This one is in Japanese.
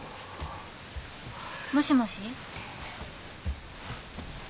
もしもし。